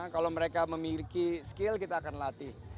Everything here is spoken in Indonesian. kalau mereka memiliki skill kita akan latih